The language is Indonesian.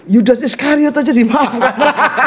yudas iskariot aja dimaafkan